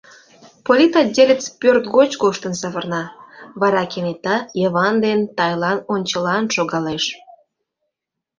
Политотделец пӧрт гоч коштын савырна, вара кенета Йыван ден Тайлан ончылан шогалеш.